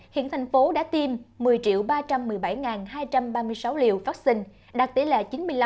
hiện thành phố đã tiêm một mươi ba trăm một mươi bảy hai trăm ba mươi sáu liều vaccine đạt tỷ lệ chín mươi năm hai mươi bảy